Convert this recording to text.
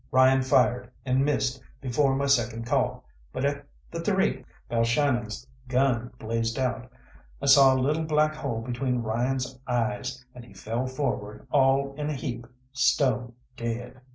Ryan fired and missed before my second call, but at the "Three" Balshannon's gun blazed out. I saw a little black hole between Ryan's eyes, and he fell forward all in a heap, stone dead.